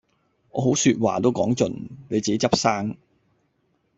我好說話都講盡，你自己執生